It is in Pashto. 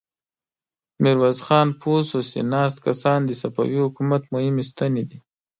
ميرويس خان پوه شو چې ناست کسان د صفوي حکومت مهمې ستنې دي.